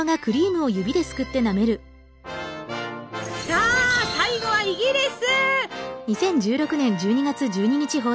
さあ最後はイギリス！